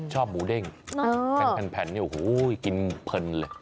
ชอบหมูเด้งแผ่นอยู่กินเพลินเลย